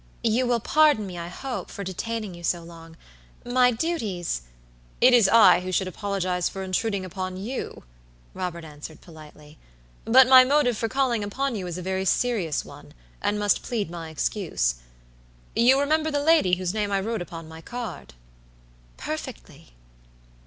"You will pardon me, I hope, for detaining you so long; my duties" "It is I who should apologize for intruding upon you," Robert answered, politely; "but my motive for calling upon you is a very serious one, and must plead my excuse. You remember the lady whose name I wrote upon my card?" "Perfectly."